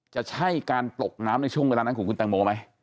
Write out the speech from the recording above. จะใช่การตกน้ำในช่วงเวลานั้นของคุณตังโมไหม